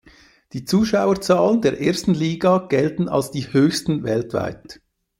Die Zuschauerzahlen der ersten Liga gelten als die höchsten weltweit.